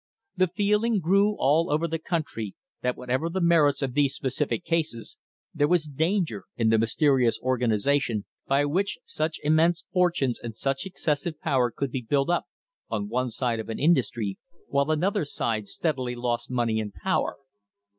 The feeling grew all over the coun try that whatever the merits of these specific cases, there was danger in the mysterious organisation by which such immense fortunes and such excessive power could be built up on one side of an industry, while another side steadily lost money and power.